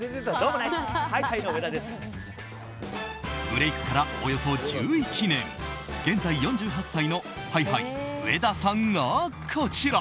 ブレークからおよそ１１年現在４８歳のＨｉ‐Ｈｉ、上田さんがこちら。